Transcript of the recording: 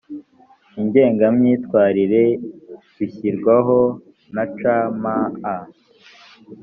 ngengamyitwarire bishyirwaho na cma